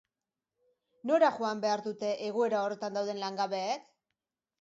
Nora joan behar dute egoera horretan dauden langabeek?